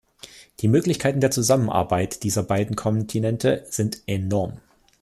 Die Möglichkeiten der Zusammenarbeit dieser beiden Kontinente sind enorm.